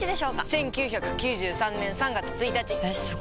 １９９３年３月１日！えすご！